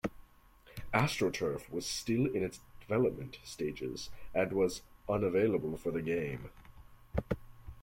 AstroTurf was still in its developmental stages and was unavailable for the game.